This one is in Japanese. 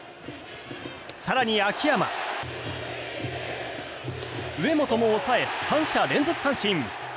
更に秋山上本も抑え、３者連続三振！